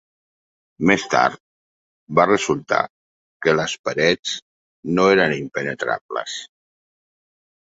Més tard, va resultar que les parets no eren impenetrables.